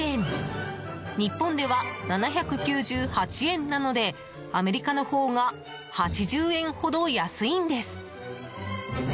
日本では７９８円なのでアメリカのほうが８０円ほど安いんです。